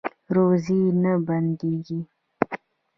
روزي نه بندیږي